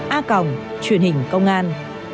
a còng truyền hình công an